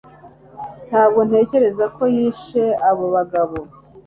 Ntabwo ntekereza ko yishe abo bagabo